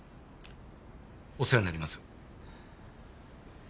お世話になります。